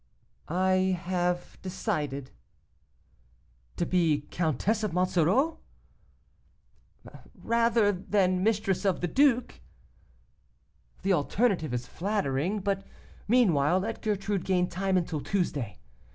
'I have decided.' 'To be Countess of Monsoreau?' 'Rather than mistress of the duke.' 'The alternative is flattering. But, meanwhile, let Gertrude gain time until Tuesday.